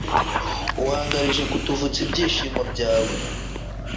uhangarije kutuvutsa ibyishimo byawe